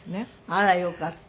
あらよかった。